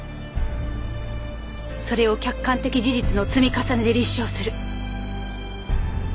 それを客観的事実の積み重ねで立証する。